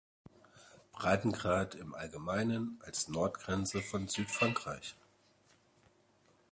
Breitengrad im Allgemeinen als Nordgrenze von Südfrankreich.